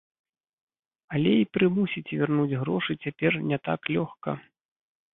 Але і прымусіць вярнуць грошы цяпер не так лёгка.